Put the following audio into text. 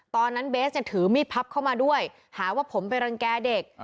เบสเนี่ยถือมีดพับเข้ามาด้วยหาว่าผมไปรังแก่เด็ก